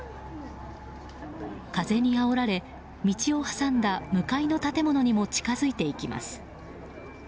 風にあおられ道を挟んだ向かいの建物にも近づいていきます。